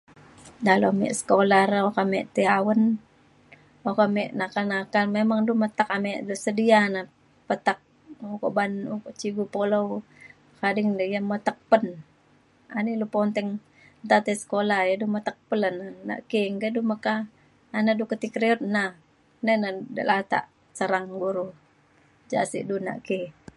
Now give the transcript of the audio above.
dalau me sekula re oka me ti awen oka me nakal nakal memang du metek ame du sedia na petek ukok ban ukok cigu pulou bekading di ia' metek pen ani lu ponteng nta tei sekula ia' du metek pen le na. na ki ey nta ne du meka ayen na du ti keriut na nai ne de latak serang guru ja sik du naki